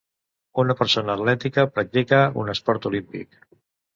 Una persona atlètica practica un esport olímpic.